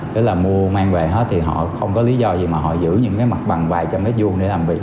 tức là mua mang về thì họ không có lý do gì mà họ giữ những cái mặt bằng vài trăm mét vuông để làm việc